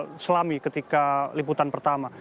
apa yang saya selami ketika liputan pertama